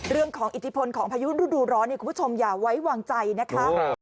เรื่องของอิทธิพลของพายุรุ่นร้อนคุณผู้ชมอย่าไว้วางใจนะครับ